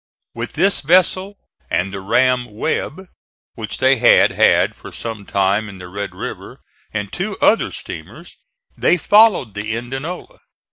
With this vessel and the ram Webb, which they had had for some time in the Red River, and two other steamers, they followed the Indianola.